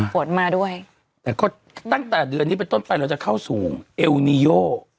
ฝนมาด้วยแต่ก็ตั้งแต่เดือนนี้เป็นต้นไปเราจะเข้าสู่เอลนีโย